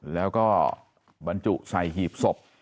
แล้วก็บรรจุใส่หีบศพ